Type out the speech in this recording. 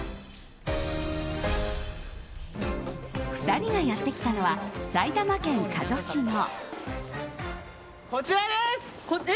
２人がやってきたのは埼玉県加須市の。